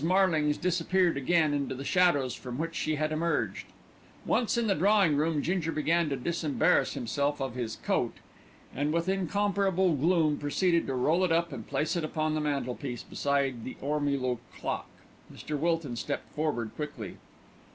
Marlings disappeared again into the shadows from which she had emerged. Once in the drawing room, Ginger began to disembarrass himself of his coat, and with incomparable gloom proceeded to roll it up and place it upon the mantelpiece beside the ormolu clock. Mr. Wilton stepped forward quickly.